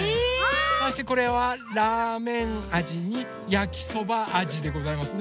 そしてこれはラーメンあじにやきそばあじでございますね。